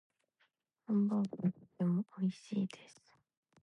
ハンバーグはとても美味しいです。